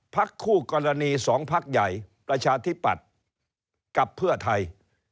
พักคู่กรณีสองพักใหญ่ประชาธิบัติกับเพื่อไทย